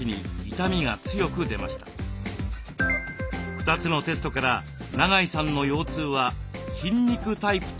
２つのテストから長井さんの腰痛は筋肉タイプと分かりました。